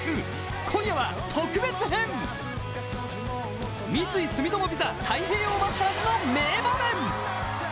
今夜は特別編、三井住友ＶＩＳＡ太平洋マスターズの名場面。